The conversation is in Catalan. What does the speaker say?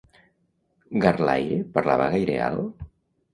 Garlaire parlava gaire alt?